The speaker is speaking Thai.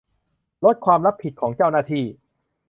ลดความรับผิดของเจ้าหน้าที่